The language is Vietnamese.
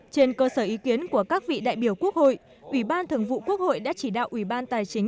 trên cơ sở ý kiến của các vị đại biểu quốc hội ủy ban thường vụ quốc hội đã chỉ đạo ủy ban tài chính